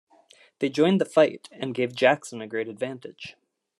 They joined the fight and gave Jackson a great advantage.